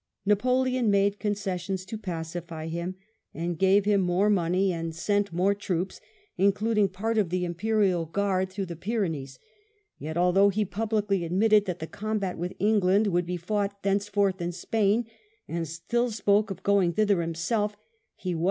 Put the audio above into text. Napolegn made concessions to pacify him, gave him more money and sent more troops, including part of the Imperial Guard, through the Pyrenees; yet although he publicly admitted that the combat with England would be fought thenceforth in Spain, and still spoke of going thither himself, he was 9.